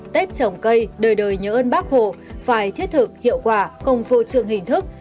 tết trồng cây đời đời nhớ ơn bác hồ phải thiết thực hiệu quả không vô trường hình thức